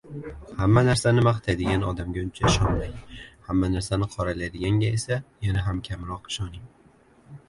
Hamma narsani maqtaydigan odamga uncha ishonmang, hamma narsani qoralaydiganga esa yana ham kamroq ishoning